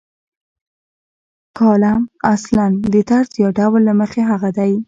کالم اصلاً د طرز یا ډول له مخې هغه دی.